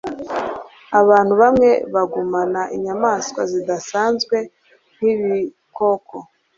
abantu bamwe bagumana inyamaswa zidasanzwe nkibikoko